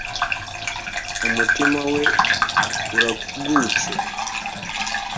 umutima we uragutse.